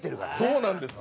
そうなんです！